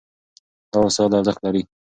دا وسایل ارزښت لري.